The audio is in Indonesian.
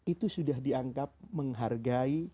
itu sudah dianggap menghargai